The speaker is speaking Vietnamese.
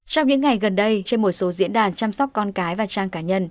trong những ngày gần đây trên một số diễn đàn chăm sóc con cái và trang cá nhân